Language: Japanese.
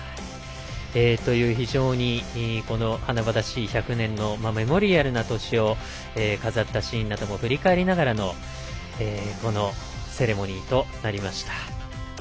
非常に華々しい１００年のメモリアルな年を飾ったシーンなども振り返りながらのセレモニーとなりました。